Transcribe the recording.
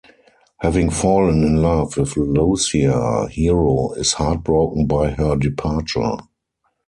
Having fallen in love with Lucia, Hiro is heartbroken by her departure.